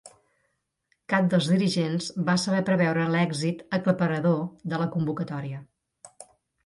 Cap dels dirigents va saber preveure l'èxit aclaparador de la convocatòria.